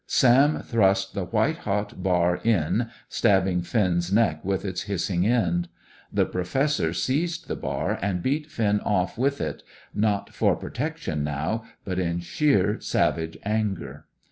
Sam thrust the white hot bar in, stabbing Finn's neck with its hissing end. The Professor seized the bar and beat Finn off with it; not for protection now, but in sheer, savage anger.